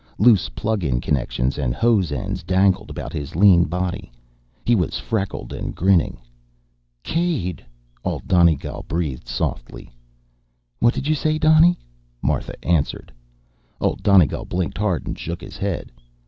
Loose plug in connections and hose ends dangled about his lean body. He was freckled and grinning. "Caid," Old Donegal breathed softly. "What did you say, Donny?" Martha answered. Old Donegal blinked hard and shook his head.